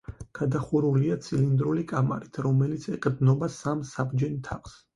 გადახურულია ცილინდრული კამარით, რომელიც ეყრდნობა სამ საბჯენ თაღს.